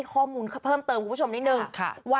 ขอบคุณค่ะ